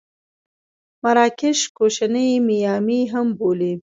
مراکش کوشنۍ میامي هم بولي.